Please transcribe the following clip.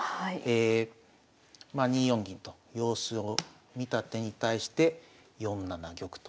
まあ２四銀と様子を見た手に対して４七玉と。